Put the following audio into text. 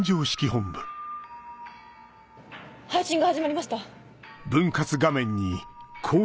配信が始まりました！